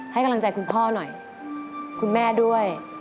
ให้กำลังใจคุณพ่อหน่อยคุณแม่ด้วย